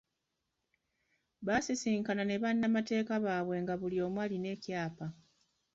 Baasisinkana ne bannamateeka baabwe nga buli omu alina ekyapa.